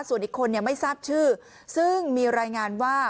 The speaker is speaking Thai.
ส่วนอีกคนไม่ทราบชื่อซึ่งมีรายงานว่า